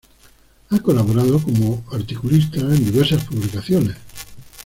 Ha colaborado como articulista en diversas publicaciones.